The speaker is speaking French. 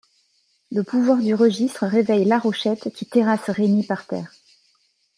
Le pouvoir du registre réveille Larochette qui terrasse Renny par terre.